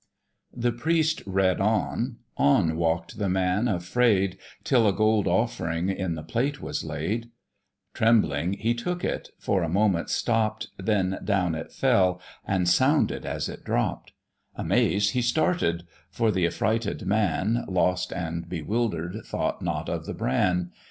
The priest read on, on walk'd the man afraid, Till a gold offering in the plate was laid: Trembling he took it, for a moment stopp'd, Then down it fell, and sounded as it dropp'd; Amazed he started, for th' affrighted man, Lost and bewilder'd, thought not of the bran.